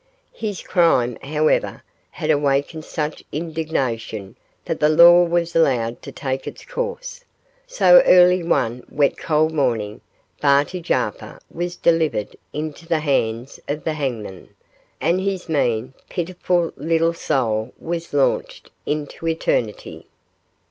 His crime, however, had awakened such indignation that the law was allowed to take its course, so early one wet cold morning Barty Jarper was delivered into the hands of the hangman, and his mean, pitiful little soul was launched into eternity.